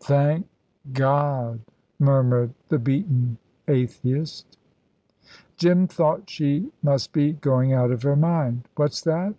"Thank God," murmured the beaten atheist. Jim thought she must be going out of her mind. "What's that?"